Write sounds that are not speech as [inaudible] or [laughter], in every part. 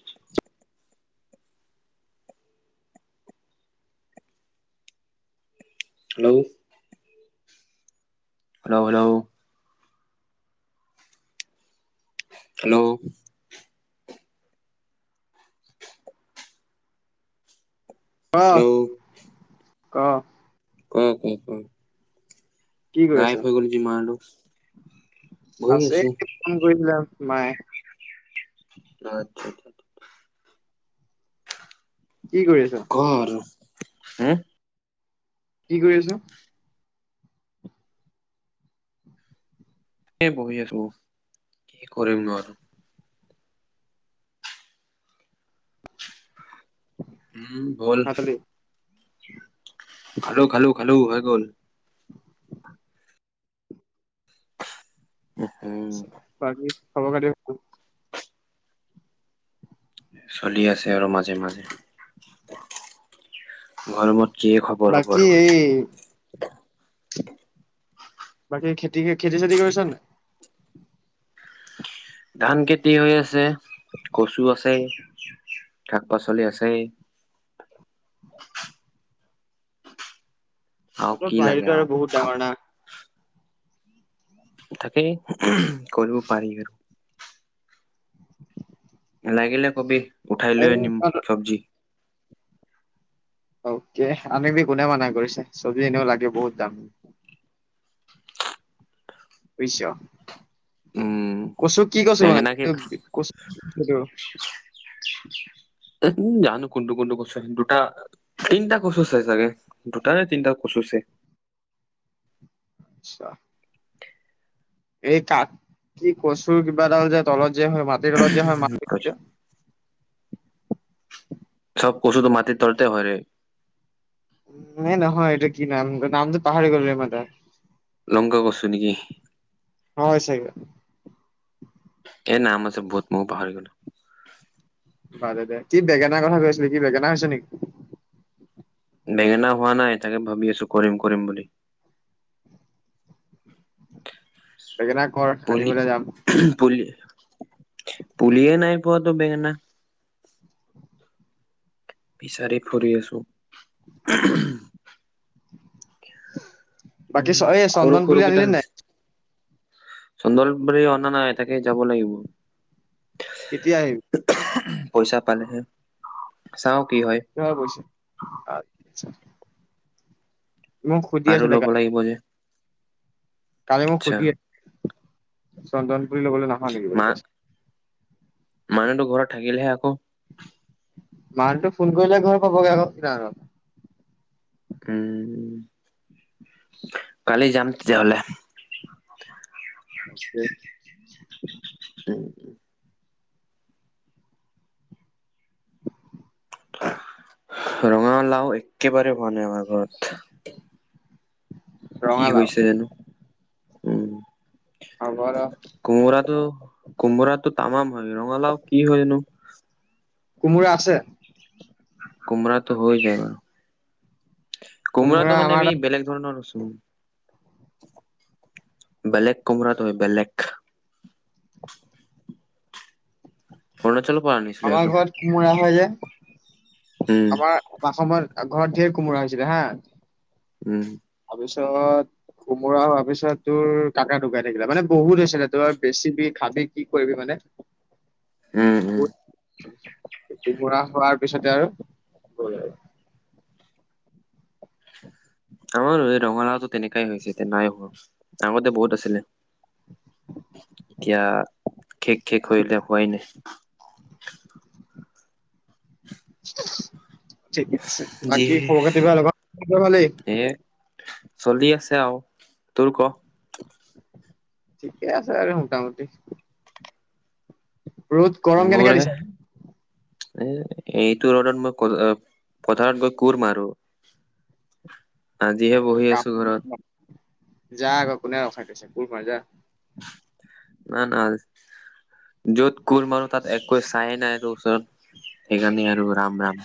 [inaudible] Hello hello hello hello অ hello ক অ ক চুন কি কৰি আছা, বহি আছে আছো ফোন কৰিছিলা। মাই আচ্ছা কি কৰি আছোঁ? ক আৰু হুম', কি কৰি আছোঁ? এ বহি আছোঁ, কি কৰিম নো আৰু উম', বল। ভাত খালি খালো', - খালো', - খালো', হৈ গ'ল উম বাকী খবৰ খাতি ক? চলি আছে আৰু মাজে মাজে, গৰমত কি খবৰ হ'ব বাকী আৰু? এই বাকী খেতি, খেতি চেতি কৰিছা নে? ধান খেতি হৈ আছে, কচু আছেই শাক-পাচলি আছেই আৰু তহঁতৰ কি লাগে বাৰীতো আৰু বহুত খাওঁ ডাঙৰ না তাকেই কৰিব পাৰি আৰু লাগিলে কবি উঠাই এই লৈ আনিম তহঁতৰ চব্জি অকে, আনিবি কোনে মানা কৰিছে চব্জি এনেও লাগে, বহুত উম দাম বুজিছোঁ উম কচু কি কচু বেঙেনা কি বনাইছোঁ বিষ কচু কি কচু? উম', জানো কোনটো কোনটো কচু দুটা তিনিটা কচু আছে চাগে দুটাৰে তিনটা কচু আছে আচ্ছা', এই কাঠ কি কচুৰ কিবা এটা যে তলত যে হয় মাটিৰ তলত যে হয় মানকচুটো? চব কচুটো মাটিৰ তলতে হয় ৰে ন, নহয় এটো কি নাম নামটো পাহৰি গলোঁ ৰে এমাত্ৰৰ লংকা কচু নেকি? হয়', চাগে এই নাম আছে বহুত মইও পাহৰি গলোঁ। বাদে দে কি বেঙেনাৰ কথা কৈছিলে, কি বেঙেনা হৈছে নেকি? বেঙেনা হোৱা নাই তাকে ভাবি আছো কৰিম কৰিম বুলি। বেঙেনা কৰ পুলি, আনিবলৈ যাম - পুলি, পুলিয়ে নাইপোৱাটো বেঙেনা বিচাৰি ফুৰি আছোঁ হুম', -হুম', বাকী, চ এই চন্দনপুৰী আনিলি নে নাই? চন্দনপুৰী অনা নাই এ তাকে যাব লাগিব। কেতিয়া আহিবি? পইচা পালেহে, চাওঁ। কোৱা গৈছে [unintelligible] আৰু ল'ব লাগিব যে কালি মোক আচ্ছা সুধি আ চন্দনপুলি ল'বলৈ নহা নেকি বুলি মা কৈছে। মানুহতো ঘৰত থাকিলেহে আকৌ। মালতো ফোন কৰিলে ঘৰ পাবগৈ আকৌ চিধা কথা। উম', - কালি যাম তেতিয়াহলে। উম', উম', - উম', [inaudible] ৰঙালাও একেবাৰে হোৱা নাই আমাৰ ঘৰত। কি ৰঙালাও হৈছে জানো? উম',। হ'ব ৰ কো, কোমোৰাটো, কোমোৰাটো তামাম হয়, ৰঙালাও কি হয় নো? [inaudible] কোমোৰা আছে? কোমৰাটো হৈ যায় বাৰু কোমোৰা কোমৰাটো মানে আমাৰ এই তাত বেলেগ ধৰণৰ উম। বেলেগ কোমৰাটো হয় বেলেগ। অৰুণাচল আমাৰ ঘৰত কোমোৰা হয় যে উম আমাৰ পাছমই আৰু ঘৰতে কুমোৰা হৈছিলে হা। উম পিছত কোমোৰা হোৱাৰ পিছত তোৰ কাকা ঢুকাই থাকিলে মানে বহুত হৈছিলে তোৰ বেছিবি খাবি কি কৰিবি মানে। [inaudible] উম উম। বহুত হৈছিলে। কোমোৰা হোৱাৰ পিছতে আৰু গল আৰু। আমাৰ ৰঙালাওটো তেনেকাই হৈছে নাই হোৱা আগতে বহুত আছিলে। এতিয়া খেক খেক হৈলে হোৱাই নাই। ঠিকে আছে যি বাকী খবৰ খাতি ভাল [unintelligible] ভালেই? এ চলি আছে আও। তোৰ ক? ঠিকে আছে আৰু মোটামুটি। ৰ'দ গৰম কেনেকে মোৰহে দিছে? এ এইটো ৰদত মই ক পথাৰত গৈ কোৰ মাৰো। আজিহে বহি কাম আছো ঘৰত। যা আকৌ কোনে ৰখাই থৈছে কোৰ মাৰ যা। না না য'ত কোৰ মাৰো তাত একো চাই নাই তো ওচৰত। সেইকাৰণে আৰু ৰাম ৰাম।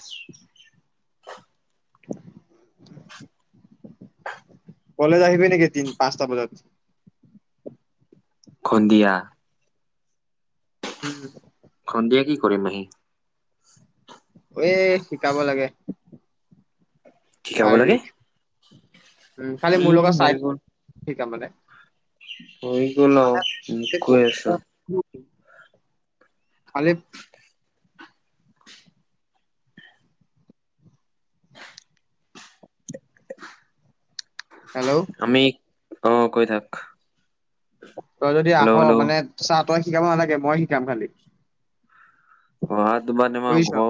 [inaudible] কলেজ আহিবি নেকি তিনি পাঁচটা বজাত। সন্ধিয়া? উম সন্ধিয়া কি কৰিম আহি? এ শিকাব লাগে। কি খাব লাগে? শাৰীৰিক উম খালি ই মোৰ লগত হৈ চাই গ'ল [unintelligible] সিকাম মানে হৈ গল আৰু মোক কৈ আছ। খালি হেল্ল'। আমি অ কৈ থাক। তই যদি আহ হেল্ল' হেল্ল' মানে চাহ তই শিকাব নালাগে মই শিকাম খালি। অহা তোমাৰ তোমা বুজিছ ঘৰ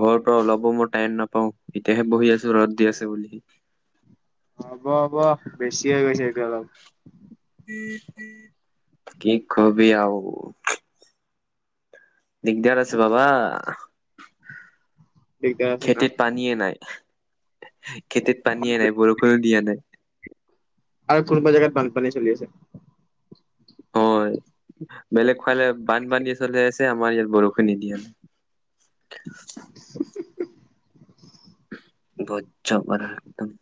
ঘৰ ত ওলপো মই টাইম নাপাও এতিয়াহে বহি আছো। যে ৰ'দ দি আছে বুলি। হ'ব হ'ব বেছিয়ে গৈছে এইটো অলপ। কি কবি আৰু। দিগদাৰ আছে বাবা। দিগদাৰ আছে খেতিত ন পানীয়েে নাই খেতিত পানীয়ে নাই বৰষুণো দিয়া নাই। আৰু কোনবা জেগাত বানপানী চলি আছে। হয় বেলেগ ফালে বানপানীয়ে চলি আছে আমাৰ ইয়াত বৰষুণ নিদিয়া। [inaudible] [inaudible] বহুত যোৰ বাধা একদম।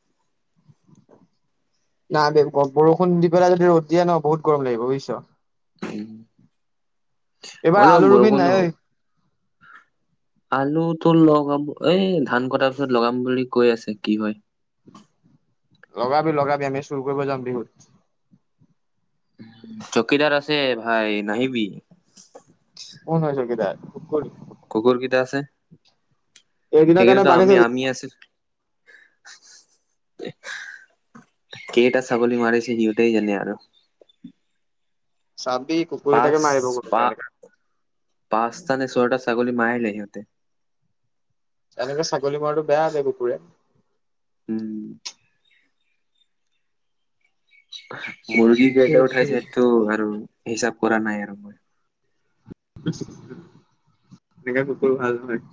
নাই বৰষুণ দি পেলাই যদি ৰ'দ দিয়ে ন বহুত গৰম লাগিব বুজিছ। এইবাৰ হলেও আলু ৰুবি নাই বৰষুণটো ঐ হওঁক। আলুটো লগাম এই ধান কটাৰ পিছত লগাম বুলি কৈ আছে কি হয়? ঠ লগাবি লগাবি আমি চুৰ কৰিব যাম বিহুত। চকিদাৰ আছে ভাই নাহিবি। কোন হয় চকিদাৰ? কুকুৰ, কেইটা আছে এইদিনৰ কাৰণে সেইকেইটা বান্ধি আমি থবি। আমি আছিল। উ! কেইটা ছাগলী মাৰিছে সিহঁতে জানে আৰু চাবি কুকুৰীটাকে পাঁচ মাৰিব ক এনেকা। স ছটাত ছাগলী মাৰিল সিহঁতে। কুকুৰৰে। উম! মুৰ্গী কেইটা উঠাইছে সেইটো আৰু হিচাপ কৰা নাই আৰু মই, এই কেইটা ককুৰ ভাল হয়।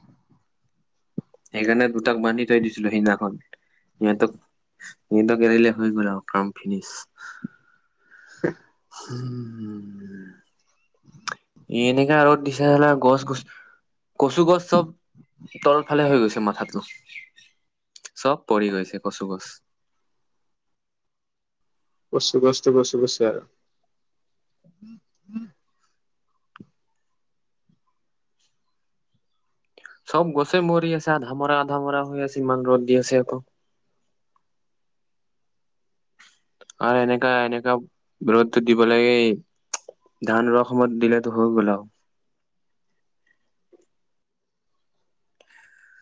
সেইকাৰণে দুটাক বান্ধি থৈ দিছিলো সিদিনাখন। সিহঁতক সিহঁতক এৰিলেে হৈ গ'ল আৰু ফ্ম ফিনিচ। হ। উম! এ এনেকা ৰ'দ দিছে চালা গছ, গছ কচু, গছ চব তল ফালে হৈ গৈছে মাথা। চব পৰি গৈছে কচু গছ। বচু কছ বচু গছে আৰু, উম! চব গছে মৰি আছে আধামৰা আধামৰা হৈ আছে ইমান ৰ'দ দি আছে আকৌ। [unintelligible] আৰু এনেকা এনেকা ৰ'দ দিব লাগে, ধান ৰকমত দিলতো হৈ গ'ল আৰু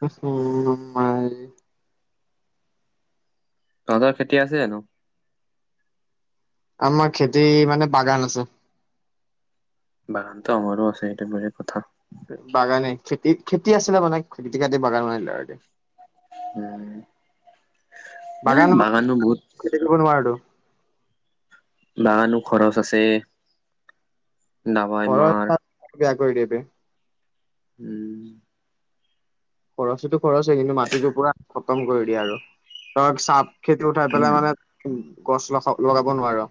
উম! মাই তহঁতৰ খেতি আছে জানো? আমাৰ খেতি মানে বাগান আছে। বাগানতো আমাৰো আছে এইটো বেলেগ কথা। বাগানে খেতি খেতি আছিলে মানে খেতি খতি বাগান বনাই দিলে। উম। এ বাগানিব বাগানো বহুত নোৱাৰটো। বাগানো খৰচ আছে। ডাবাই মাৰ। বয়াক কৰি দে বেহ উম! খৰচটো খৰচ হয় কিন্তু মাটিটো পুৰা খতম কৰি দিয়ে আৰু ধৰ চাপ খেতি উঠাই উম, পেলাই মানে গছ লগ লগাব নোৱাৰো,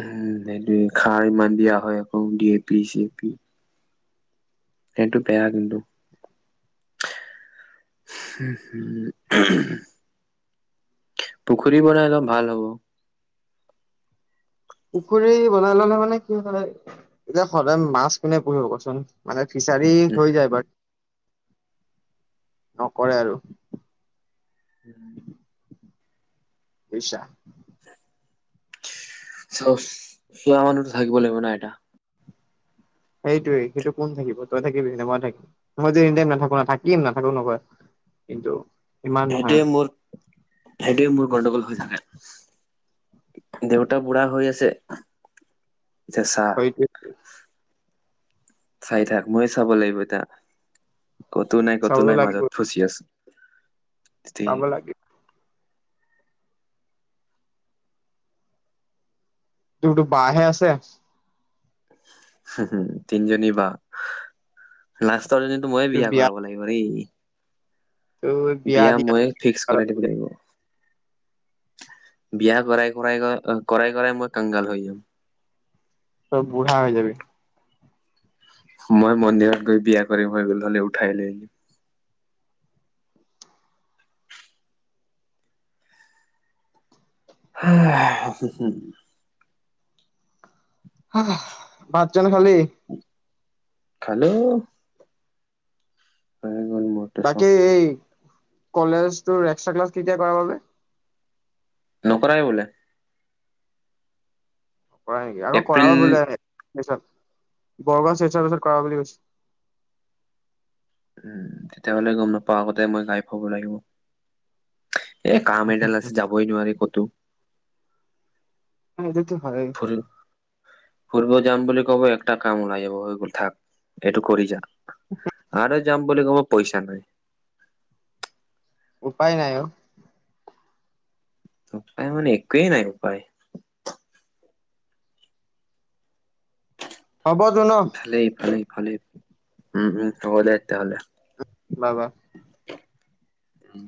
উম সেইটো খাৰ ইমান দিয়া হয় আকৌ ড এপি চিয়পি, সেইটো বেয়া কিন্তু। হ! হম! পুখুৰী বনাই ল' ভাল হ'ব। পুখুৰী বনাই ললে মানে কি হয় এতিয়া সদায় মাছকোনে পুহিব কচোন? ফ্ৰিছাৰি হৈ যায় বাট, নকৰে আৰু উম! পছা। চ চোৱা মানুহতো থাকিব লাগিব ন এটা, সেইটোৱেই সেইটো কোন থাকিব তই থাকিবি মই থাকিম মই যম নাথাকো না থাকিম নাথাকো নকয়। কিন্তু ইমান নহয় সেইটোৱে আৰু মোৰ সেইটোৱে মোৰ গণ্ডগোল হৈ থাকে, দেউতা বুঢ়া হৈ আছে। এতি সেইটোৱে [unintelligible] চাই থাক মই চাব লাগিব এতিয়া। কতো নাই কতো চাবতো নাই লাগিব মাজত ফচি আছো। তে চাব লাগিব তোৰ তো বা হে আছে? হম তিনিজনী বা লাষ্টৰজনীতো ময়ে বিয়া কৰাব লাগিব ৰেই। তোৰ বিয়া দিয়া মই ফিক্স কৰাই দিব লাগিব। বিয়া কৰাই কৰাই কৰা কৰাই কৰাই মই কাংগাল হৈ যাম। তব বুঢ়া হৈ যাবি। মই মন্দিৰত গৈ বিয়া কৰিম হৈ গ হলে উঠাই লৈ আনিম। [unintelligible] ভাত জানো খালী? খালো। হৈ গ'ল মোৰতো চব বাকী এই কলেজটো একসট্ৰা ক্লাচ কেতিয়া কৰাব যে? নকৰাই বোলে। কৰা নেকি আকৌ এপ্ৰিল কৰাব বোলে। বৰগাঁও চোৰ পিছত কৰা বুলি কৈছে? উম, তেতিয়াহলে গম নাপায় আগতে মই গাই থুৱাব লাগিব। এ, কাম এডাল আছে যাবই নোৱাৰি ক'তো। এইটোতো হয়। ফুৰি ফুৰিব যাম বুলি কব একটা কাম ওলাই যাব থাক এইটো কৰি যা। আৰু যাম বুলি কবো পইচা নাই। উপায় নাই অ। উপায় মানে একেই নাই উপায়। হ'ব তো ন? খালি উম, উম, হ'ব দে তেতিয়া হলে। Bye bye. উম'।